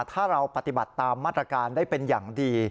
ถ้าเราปฏิบัติตามมาตรการได้เป็นอย่างดี